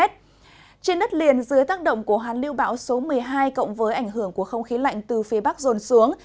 trên đất liền dưới tác động của hàn lưu bão số một mươi hai cộng với ảnh hưởng của không khí lạnh từ phía bắc rồn xuống